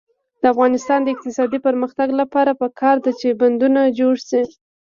د افغانستان د اقتصادي پرمختګ لپاره پکار ده چې بندونه جوړ شي.